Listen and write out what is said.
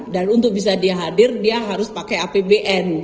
dan untuk bisa dihadir dia harus pakai apbn